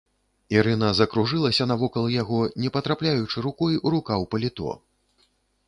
Ірына закружылася навокал яго, не патрапляючы рукой у рукаў паліто.